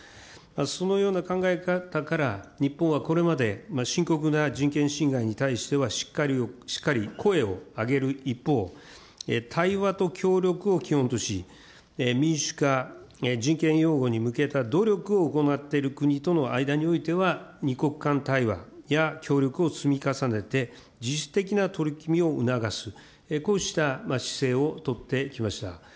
そのような考え方から、日本はこれまで深刻な人権侵害に対してはしっかり声を上げる一方、対話と協力を基本とし、民主化、人権擁護に向けた努力を行っている国との間においては、２国間対話や協力を積み重ねて、自主的な取り組みを促す、こうした姿勢を取ってきました。